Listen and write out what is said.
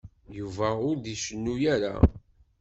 Yuba ur d-icennu ara.